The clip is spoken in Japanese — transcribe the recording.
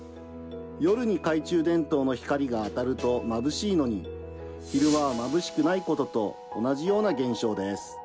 夜に懐中電灯の光が当たるとまぶしいのに昼間はまぶしくないことと同じような現象です。